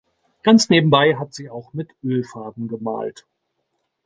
Ganz nebenbei hat sie auch mit Ölfarben gemalt.